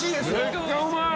めっちゃうまい！